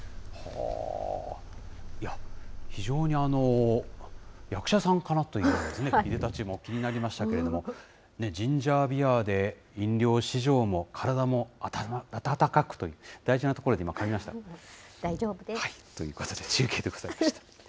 非常に役者さんかな？といういでたちも気になりましたけれども、ジンジャービアで、飲料市場も体もあたたかくという、大丈夫です。ということで、中継でございました。